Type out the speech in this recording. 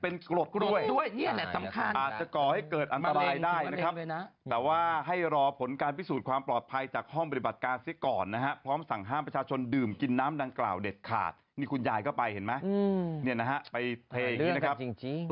นี่คุณยายก็ไปเห็นมั้ยนี่นะฮะไปเพลย์อย่างนี้นะครับ